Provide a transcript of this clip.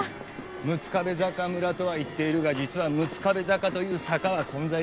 六壁坂村とは言っているが実は六壁坂という坂は存在しない。